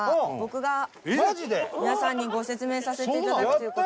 皆さんにご説明させて頂くという事で。